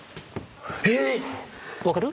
えっ⁉分かる？